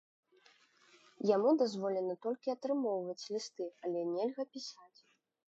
Яму дазволена толькі атрымоўваць лісты, але нельга пісаць.